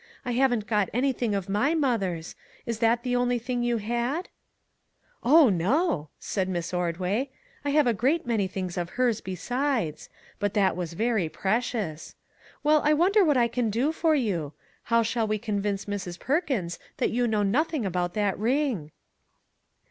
I haven't got anything of my mother's. Is that the only thing you had ?"" Oh, no !" said Miss Ordway. " I have a great many things of hers besides; but that was very precious. Well, I wonder what I can 112 A SEA OF TROUBLE do for you ? How shall we convince Mrs. Per kins that you know nothing about that ring?"